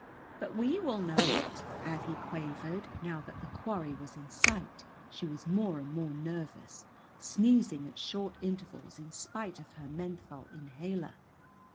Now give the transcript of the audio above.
"But we will know it," Aggie quavered. Now that the quarry was in sight she was more and more nervous, sneezing at short intervals in spite of her menthol inhaler.